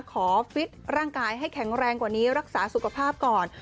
ฟิตร่างกายให้แข็งแรงกว่านี้รักษาสุขภาพก่อน